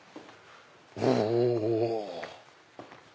お！